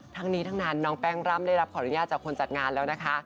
ทั้งนี้ทั้งนั้นน้องแป้งร่ำได้รับขออนุญาตจากคนจัดงานแล้วนะคะ